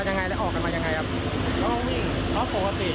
สัญญาเชิญเขาวิ่งออกมาก่อน